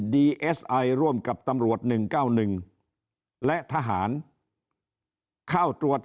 ดีเอสไอร่วมกับตำรวจหนึ่งเก้าหนึ่งและทหารเข้าตรวจ